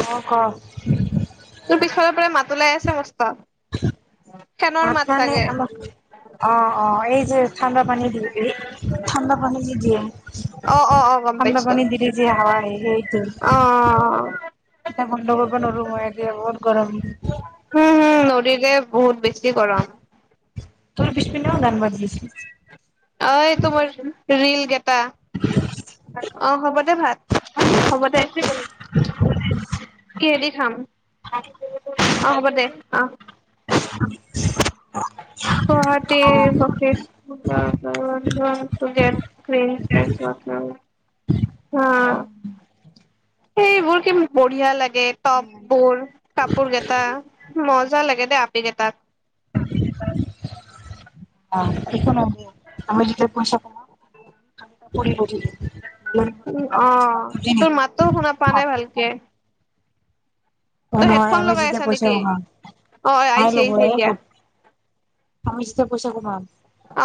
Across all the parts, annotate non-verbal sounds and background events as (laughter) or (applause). অ ক পিছফালৰ পৰা মাত ওলাই আছে মস্ত। ফেনৰ মাত মানে চাগে আমাক, অ'- অ' এই যে ঠাণ্ডা পানী দি কৰি, ঠাণ্ডা পানী যে দিয়ে, অ অ অ গম ঠাণ্ডা পাইছো অ পানী দিলে যে হাৱা আহে সেইটো। হম এতিয়া বন্ধ কৰিব নোৱাৰো মই এতিয়া বহুত গৰম। উম নদী যে বহুত বেছি গৰম। তোৰ পিছ অঁ এইটো মোৰ ৰিল গে তা। অ' হ'ব দে ভাত, হ'ব দে। কিহেদি খাম, অ' হ'ব দে অ'। গুৱাহাটী বশি (unintelligible) অ' সেইবোৰ কি বঢ়িয়া লাগ গে টপবোৰ পোৰ কেইটা, মজা লাগে দে আপি কেইটাক। (unintelligible) আমি যেতিয়া পইচা কমাম (unintelligible) উম, অ' থাকিম তোৰ মাততো শুনা পোৱা নাই ভালকে। অ' তই নহয় হেডফোন আমি লগাই যেতিয়া আছা পইচা নেকি? কমাম (unintelligible) (unintelligible) অ', আহিছে আহিছে এতিয়া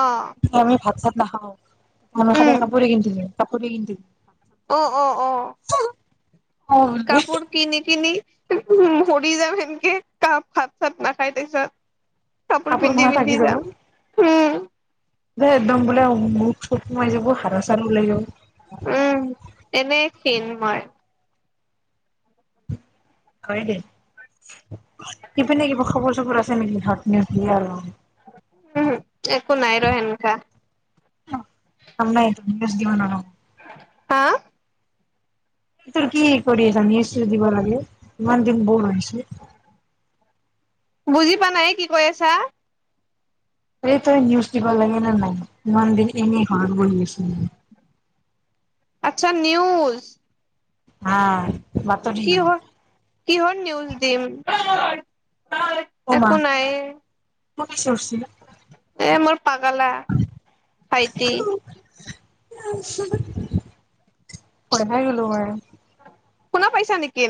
অ', এতিয়া আমি ভাত চাত (unintelligible) (unintelligible) (unintelligible) অঁ অঁ-অঁ। অ কাপোৰ কিনি- কিনি মৰি যাম সেনকে (unintelligible) ভাত চাত নাখাই তাৰপিছত। কাপোৰ পিন্ধি- পিন্ধি যাম, উম। (inaudible) দে একদম বোলে (unintelligible) উম, এনে শেইনমাৰ, হয় দে সেইপিনে কিবা খবৰ চবৰ আছে নেকি ঘৰত নিঠি আৰু উম, একো নাই ৰ সেনকা ম নাই ত দিন আৰু (unintelligible) হা, তোৰ কি কৰি জানি দিব লাগে ইমান দিন বৰ হৈছে, বুজি পা নাই কি কৈ আছা, সেই তই নিউজ দিব লাগে নে নাই? ইমান দিন এনেই ঘৰত বহি আছে। আচ্ছা নিউজ, (unintelligible) কিহ কিহৰ নিউজ দিম? অ (unintelligible) মা একো নাই এই, কোনে চিঞৰছি এ মোৰ পাগলা ভাইটি। ভয়খাই গলো মই। হোনা পাইছা নেকি।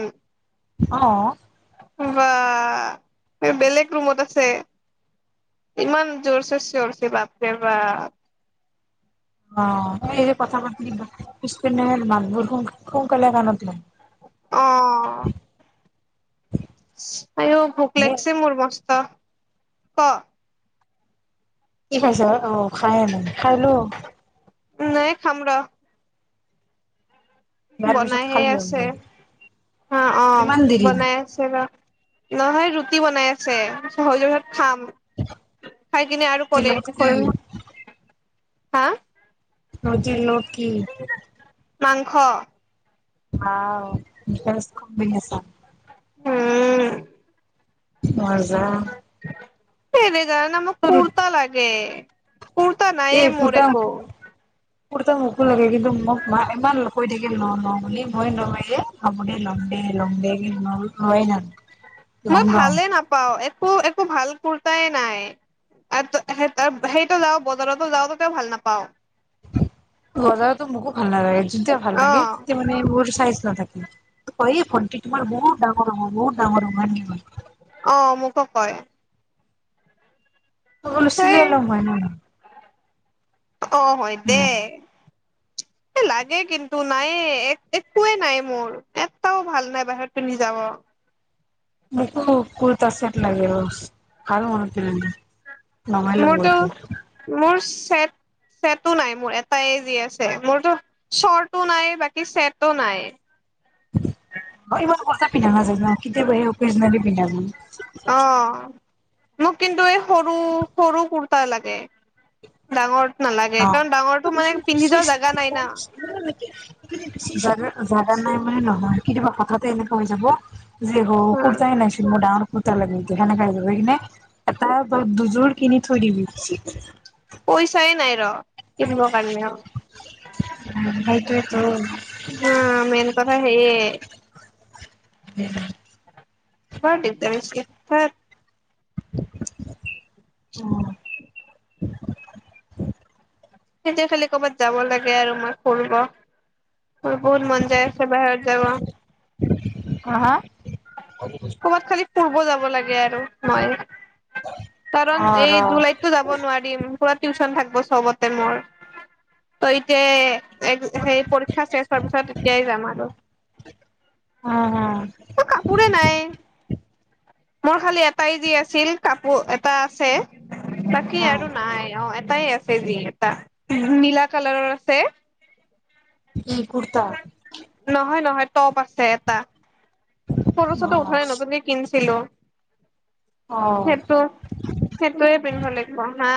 অ, বা বেলেগ ৰুমত আছে ইমান জোৰ চে চিৱৰিছে বাপৰে বাপ, অ, কথা পাতি বা পিছ পিনে। মানুহবোৰ সোনকালে (unintelligible) আৰু ভোক এ লাগিছে মোৰ মস অ ক, কি খাইছ, অ খাই নাই খাই লো, নাই খাম ৰ পিছত বনাইহে খালি হ'ল আছে দে অ অ কিমান দেৰি বনাই আছে ৰ, নহয় ৰুটি বনাই আছে সৰিহত খাম, খাই কিনে আৰু ৰুটিৰ কলে লগত কি হা? (unintelligible) কি? মাংস। হাও (inaudible) নোৱাৰোঁ যে তেৰে জানানে মোক কুৰ্তা লাগে। কুৰ্তা নাইয়ে এই মোৰ কুৰ্তা, একো কুৰ্তা মোকো লাগে। কিন্তু মোক মাই ইমান (unintelligible) লম দে, (unintelligible) লম মই লম। ভালে নাপাও একো একো ভাল কুৰ্তাই নাই আৰু সেইটো যাওঁ বজাৰতো যাওঁ তাতেও ভাল নাপাওঁ। বজাৰতো মোকো ভাল নালাগে, যোনটো ভাল অ লাগে সেইটো মানে মোৰ চাইজ নাথাকে। (unintelligible) তোমাৰ বহুত ডাঙৰ হব বহুত ডাঙৰ। কো কয়। (unintelligible) সেই চিলাই লম মই হয় নে নহয়। অ', হয়, দে। লাগে কিন্তু, নায়েই এক, একোৱেই নাই মোৰ, এটাও ভাল নাই বাহিৰত পিন্ধি যাব। মোকো কুৰ্তা ছেট লাগে বছ, ভাল মনত পেলালি। মোৰতো (unintelligible) মোৰ চেট, চেটো নাই মোৰ এটাই যি আছে, মোৰতো শৰ্টো নাই, বাকী চেটো নাই। ইমান (unintelligible) পিন্ধা নাজায় কেতিয়াবাহে (unintelligible) যে, পিন্ধাবোৰ অ মোক কিন্তু এই সৰু, সৰু কুৰ্তা লাগে। ডাঙৰ নালাগে অ', কাৰণ ডাঙৰটো মানে পিন্ধি যোৱা জাগা নাই না (unintelligible) জাগা নাই মানে নহয়, কেতিয়াবা হঠাতে এনেকুৱা হৈ যাব। যে, হ, কুৰ্তাই নাইচোন মোৰ ডা (unintelligible) সেনেকা এযোৰ লৈ কিনে এটা বা দুযোৰ কিনি থৈ দিবি। পইচাই নাই ৰ। কিনিব কাৰনে অ', সেইটোৱেতো (unintelligible) উম। বৰ দিগদাৰ হৈছে (unintelligible) (unintelligible) অঁ (unintelligible) সেইটোৱে খালি কৰ'বাত যাব লাগে আৰু মই ফুৰিব, মোৰ বহুত মন যায় আছে বাহিৰত যাব। হা হা? ক'বাত খালি ফুৰিব যাব ব লাগে আৰু মই। কাৰণ অ ৰ এই জুলাইততো যাব নোৱাৰিম পোৰা টিউশচন থাক চবতে মৰ তইতে সেই পৰীক্ষা শেষ হোৱাৰ পিছত এতিয়াই যাম আৰু হা হা কাপোৰে নাই। মোৰ খালি এটাই যি আছিল কাপোৰ এটা আছে। বাকী হা আৰু নাই অ', এটাই আছ এ যি এটা নীলা কালাৰৰ আছে। কি কুৰ্তা নহয়, নহয় ট'প আছে এটা ফটো চটো উঠা নাই অ নতুনকে কিনিছিলো। অ', সেইটো সেইটোয়ে পিন্ধিব লাগিব হা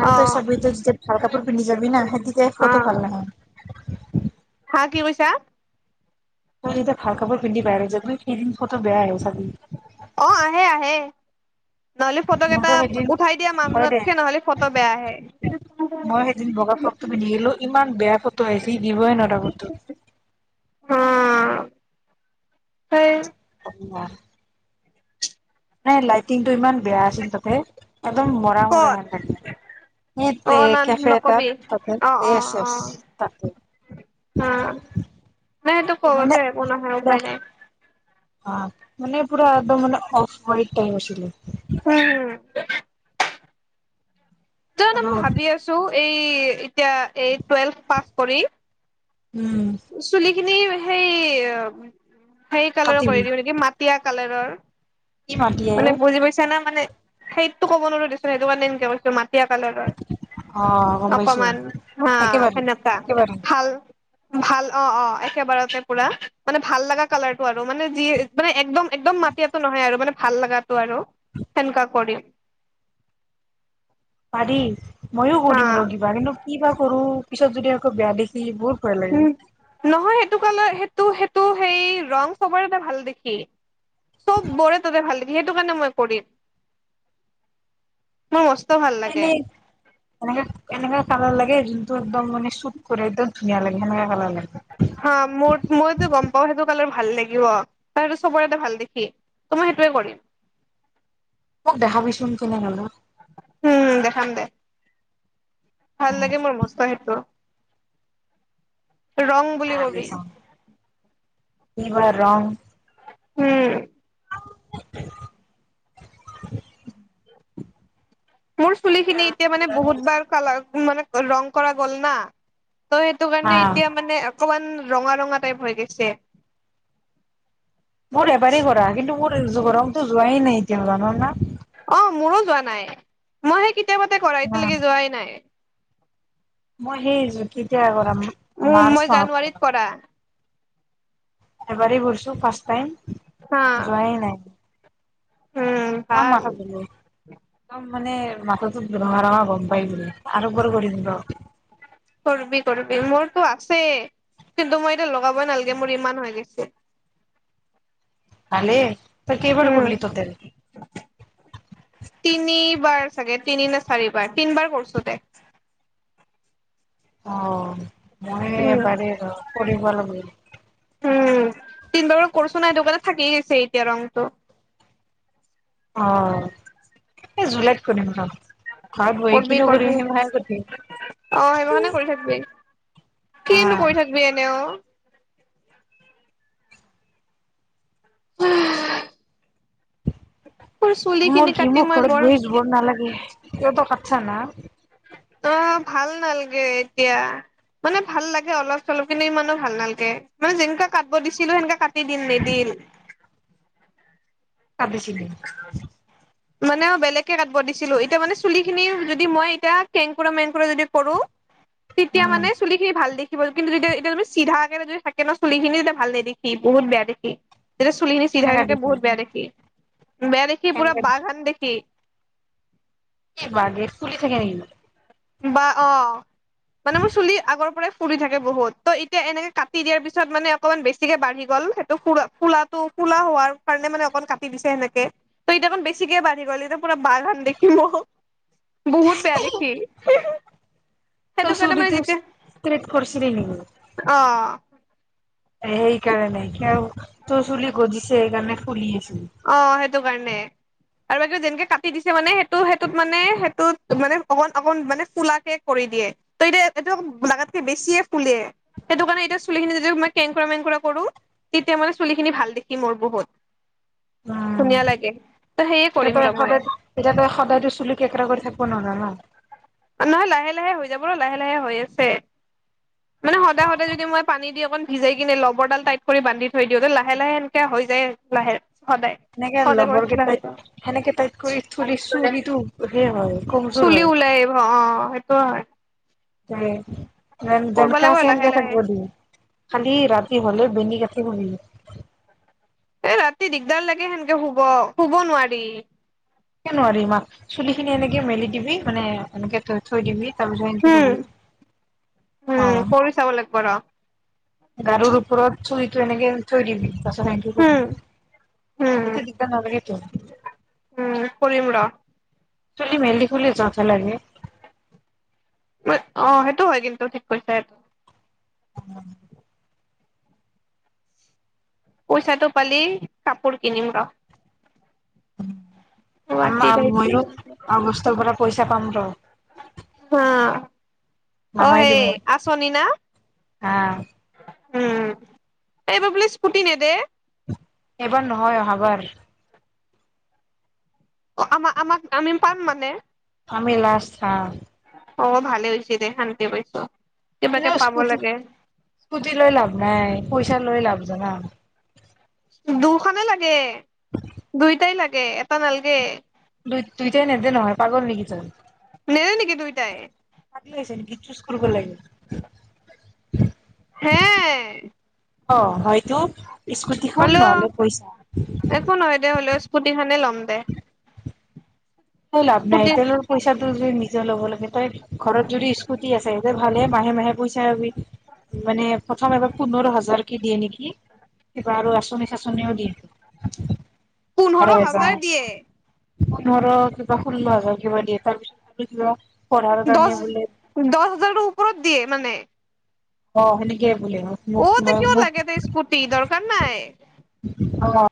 আৰু অ তই চাবি তই যেতিয়া ভাল কাপোৰ পিন্ধি যাবি না সেই তেতিয়া অ ফটো ভাল নহয়। হা, কি কৈছা? তই যেতিয়া ভাল কাপোৰ পিন্ধি বাহিৰত যাবি সেইদিন ফটো বেয়াই হয়, চাব অ' আহে আহে। নহলে মোৰতো ফটোকেইটা সেইদিন উঠাই দিয়া মানুহ হয় দে নাথকে নহ'লে ফটো বেয়া আহে। মই সেইদিন বগা ফ্ৰকটো পিন্ধি গলো ইমান বেয়া দিবই নটা বত (unintelligible) অ' ঢেই অ (unintelligible) ন লাইটিং টো ইমান বেয়া আছিল তাতে। একদম মৰা মৰা ক'ত এেে অ ন এই কেফে এটাত নকবি ততেয় অ অ অ তাকতে অ নাই সেইটো ক'ব মানে যে একো নহয় উপায় (unintelligible) নাই অ' মানে পুৰা একদম মান অফ টাইম আছিলে। উম জানো মই ভাবি আছো। এই এতিয়া এই টুৱেলভ পাছ কৰি উম চুলি খিনি সেই সেই কালাৰ কৰি কাটিবি দিওঁ নেকি মাটিয় কালাৰৰ কি মাতি মানে আহে। বুজি পাইছে না মানে সেইটো কব নোৱাৰো দেছোন সেইটো কাৰেনেকে কৈছ ম টিয়া কালাৰৰ অ গম পাইছো অকমান হা একেবাৰে সেনেকুৱা একেবাৰে ভাল। ভাল অ' অ' একেবাৰতে পুৰা মানে ভাল লগা কালাৰটো আৰু। আৰু মানে যি মানে একদম একদম মাটিয়াটো নহয় আৰু মানে। ভাল লগা টো আৰু সেনেকা কৰিম। পাৰি। ময়ো হা কৰিম ৰ কিবা কিন্তু কি বা কৰো পিছত যদি আকৌ বেয়া দেখি এইবোৰ। উম নহয় সেইটো কা সেইটো সেইটো সেই ৰং চবৰে এটা ভাল দেখি। চব বৰে ততে ভাল সেইটো কাৰণে মই কৰিম মোৰ ভাল লাগে। এনেই এনেকা এনেকাা কালাৰ লাগে যোনটো একদম মান শুট একম ধুনীয়া লাগে সেনেকা কালাৰ লাগে হা মোৰ মইতো গম পাওঁ সেইটো কালে ভাল লাগিব তইটো চবৰেতে ভাল দেখি ত মই সেইটোয়ে কৰিম মোক দেখাবিচোন কেনে হলো ঠাডে ভাল লাগে মোৰ মস্ত সেইটো ৰং বুলি কবি শাৰ ৰাং উম (unintelligible) মোৰ চুলি খিনি এতিয়া মানে বহুত বাৰ কালাৰ মানে ৰং কৰা গ'ল না ত' সেইটো হা কাৰণে এতিয়া মানে অকমান ৰঙা ৰঙা টাইপ হৈ গৈছে মোৰ এবাৰেই কৰাৰা কিন্তু মোৰ ৰংটো যোৱাই নাই এতিয়া ন না অ মোৰো যোৱা নাই মই সে এয়া মতে কৰা এতিয়ালৈকে যোৱাই নাই মহেজ কতিয়া কৰা উম, মই মাৰ্চ ম জানুৱাৰীত কৰ কৰা এবাৰেই ঘৰিছো ফাৰ্ষ টাইম হা। যোৱাই নাই উম, যোৱা ভাল মাহত বোলো একদম মানে মাথাটোো ৰঙা ৰঙা গম পাই ব আৰু এবাৰ কৰি দিম ৰ কৰবি কৰবি মোৰতো আছেই কিন্তু মই এতিয়া লগাবই নালাগে মোৰ ইমান হৈ গৈছে খালে উম তিনি নিবাৰ চাগে তিনি নে চাৰিবাৰ তিনিবাৰ কৰছো দে অ মই উম, এবাৰেই ৰ কৰিব লাগ উম, উম, তিনিবাৰৰ কৰছো নাই দোকানত থাকি আছে এতিয়া ৰংটো। অ, এই জুলাইত কৰিম ৰ। ঘৰত বহি কিনো কৰিম কৰবি-কৰবি, সেইমাখান কৰিম অ সেইমাখনে কৰি থাকিবি। আ কিনো কৰি থাকিবি এনে অ (inaudible) (inaudible) তোৰ চুলি খিনি মোৰ কি কাটি মোক মই ঘৰত বৰ বহি জৰ নালাগে সিহতক ছ না? অ ভাল নালাগে এতিয়া, মানে ভাল লাগে অলপ-চলপ কিন্তু ইমানো ভাল নালাগে, মানে যেনেকা কাটব দিছিলো সেনেকা কাট দিল নিদিল। কটিছিলি মানে বেলেগকে কাটব দিছিলো এতিয়া মানে চুলিখিনি যদি মই এতিয়া কেংকুৰা-মেংকুৰা যদি কৰো। তেতিয়া উম মানে চুলিখিনি ভাল দেখিব, কিন্তু যেতিয়া-এতিয়া তুমি চিধা সেইকাৰণে যদি থাকে ন চুলিখিনি তেতিয়া ভাল নেদেখি, বহুত বেয়া দেখি। যেতিয়া চুলিখিনি চিধা কেনে হৈ থাকে, বহুত কাটিছিলি বেয়া দেখি। বেয়া দেখি পুৰা কেনেকে বাঘান দেখি এই বাগে চুলি থাকে নেকি? বা অ মানে মোৰ চুলি আগৰ পৰাই ফুৰি থাকে বহুত, ত' এতিয়া এনেকে কাটি দিয়াৰ পিছত মানে অকমান বেছিকে বাঢ়ি গ'ল, সেইটো কুৰা-ফুৰাটো কলা হোৱাৰ কাৰণে মানে অকমান কাটি দিছে সেনেকে, ত এতিয়া অকণ বেছিকে বাঢ়ি গ'ল, এতিয়া পুৰা বাঘহন দেখি ম বহুত বেয়া দেখি। ত সেইটো কাৰণে মানে (unintelligible) যেতিয়া প্ৰেট কৰিছিলি নেকি? অ সেইকাৰণে নে কি আৰু তোৰ চুলি গছি সেইকাৰণে খুলি আছ অ সেইটো কাৰণে আৰু বাকী যেনেকে কাটি দিছে মানে সেইটো, সেইটোত মানে, সেইটোত মানে অকণ-অকণ মানে ফুলাকে কৰি দিয়ে, ত এতিয়া এইটো লাগাতকে বেছিয়ে ফুলে, সেইটো কাৰণে এতিয়া চুলিখিনি যদি মই কেংকুৰা-মেংকুৰা কৰো, তেতিয়া মানে চুলিখিনি ভাল দেখি মোৰ বহুত। উম ধুনীয়া লাগে। ত সেয়ে (unintelligible) কৰিম ৰ মই সদায় এতিয়া তই সদায়তো চুলি কেকেৰা কৰি থাকপো নোৱাৰা ন। নহয় লাহে-লাহে হৈ যাব ৰ, লাহে-লাহে হৈ আছে, মানে সদায়-সদায় যদি মই পানী দি অকণ ভিজাই কিনে লবৰডাল টাইট কৰি বান্ধি থৈ দিওঁ, ত লাহে-লাহে এনেকে হৈ যায় লাহে সদায় সেনেকে সদায় কৰি থাকিলে হৈ যাব লগবৰকেইটাইত সেনেকে টাইত কৰি চুলি চুলিটো সে হয় কমজোৰ চুলি হয়। ওলাই আহিব অ সেইটোৱো হয়। উম। নন কৰবা জেনকে লাগিব আছে লাহে সেনকে লাহে থাকিব দি, খালি ৰা হ'লে বেনি কাটি হ এ ৰাতি দিগদাৰ লাগে সেনেকে শুব শুব নোৱাৰি তে নোৱাৰি ইমাক চুলি খিনি এনেকে মেলি দিবি মানে এনেকে ত থৈ দিববি তাৰপিছত হবি উম অ উম কৰি চাব লাগিব ৰ গাৰুৰ ওপৰত চৰিটো এনেকে থৈ দিবি তাৰপিছত সেনকে কৰি উম উম তেতিয়া দিগদাৰ নালাগে তোৰ উম কৰিম ৰ চলি মেলি হলে যত হে লাগে অ সেইটো হয় কিন্তু ঠিক কৈছে সেইটো পইচাটো পালি কাপোৰ কিনিম ৰ উ গুৱাহাটী আ ময়ো অ বস্তৰ পৰা পইচা পাম ৰ হা অ মামাই দিব হেই আচনি না হা উম এইবা বোলে স্কুটি নেদে এবাৰ নহয় অহাবাৰ অ আমাক আমাক আমি পাম মানে আমি লাষ্ট আ অ ভালে হৈছে দে শান্তে পাইছো কিবাকে কিন্তু পাব স্কুটি লাগে স্কুটি লৈ লাভ নাই পইচা লৈ লাভ জানা দুখনে লাগে দুইটাই লাগে এটা নালগে দুই দুইটাই নেদে নহয় পাগল নেকি ত নেদে নেকি দুইটাই পাগৰ হৈছে নেকি কিছ কৰিব লাগিব হে অ হয় হলেও একো নহয় দে হ'লেও স্কুটি খানে ল'ম দে লাভ নাই স্কুটি তেলৰ পইচা নিজৰ লব লাগে তই ঘৰত যদি স্কুটি আছে স ভালে মাহে মাহে পইচাবি মানে প্ৰথম এবাৰ পোন্ধৰ হাজাৰ কি দিয়ে নেকি কিবা আৰু আঁচনি চাচনিও দিয়ো পোন্ধৰ আৰু হৈ হাজাৰ দিয়ে যাওঁ পোন্ধৰ কিবা সোল্ল হাজাৰ কিবা দিয়ে তাৰ পিছত আমি কিবা পঢ়াৰ কাৰণে দহ বোলে দহ হাজাৰৰ ওপৰত দিয়ে মানে অ সেনেকে বোলে অ মোক টোক আকৌ মোক কিয় মোক লাগে ত স্কুটি দৰকাৰ নাই অ